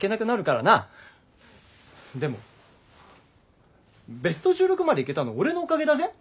でもベスト１６まで行けたの俺のおかげだぜ？